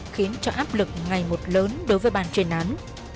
khiến cho áp lực ngày một lớn đối với bàn chuyên án